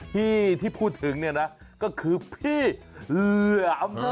ที่ที่พูดถึงเนี่ยนะก็คือพี่เหลือม